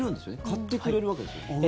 買ってくれるわけですよね？